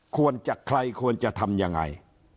ควรจะใครควรจะทำยังไง